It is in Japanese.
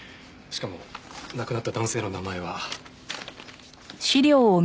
しかも亡くなった男性の名前は。